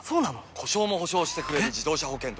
故障も補償してくれる自動車保険といえば？